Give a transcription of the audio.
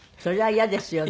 嫌ですよね。